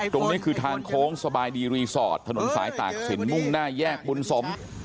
ตรงนี้คือทางโค้งสบายดีรีสอร์ทถนนสายตากศิลปมุ่งหน้าแยกบุญสม